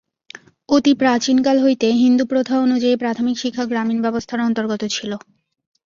অতি প্রাচীনকাল হইতে হিন্দুপ্রথা-অনুযায়ী প্রাথমিক শিক্ষা গ্রামীণ ব্যবস্থার অন্তর্গত ছিল।